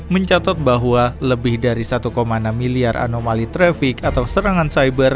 mencatat bahwa lebih dari satu enam miliar anomali trafik atau serangan cyber